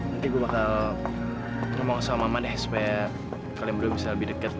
nanti gue bakal ngomong sama maman supaya kalian berdua bisa lebih dekat